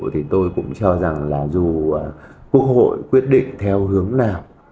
thì tôi cũng cho rằng là dù quốc hội quyết định theo hướng nào